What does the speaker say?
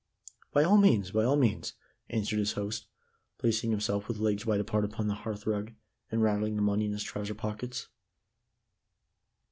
"By all means, by all means," answered his host, placing himself with legs wide apart upon the hearthrug, and rattling the money in his trouser pockets.